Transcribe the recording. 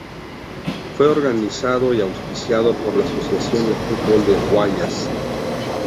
Fue organizado y auspiciado por la Asociación de Fútbol del Guayas.